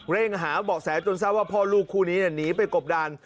เร่งหาบอกแสนจนเซ้าว่าพ่อลูกคู่นี้เนี่ยหนีไปกบดัน